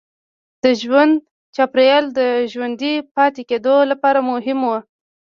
د ژوند چاپېریال د ژوندي پاتې کېدو لپاره مهم و.